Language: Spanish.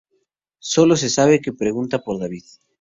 Sólo se sabe que pregunta por David.